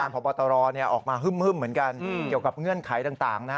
พบตรออกมาฮึ่มเหมือนกันเกี่ยวกับเงื่อนไขต่าง